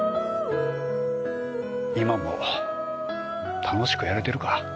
今も楽しくやれてるか？